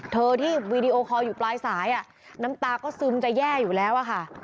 เธอที่วีดีโอคอลอยู่ปลายสายน้ำตาก็ซึมจะแย่อยู่แล้วอะค่ะ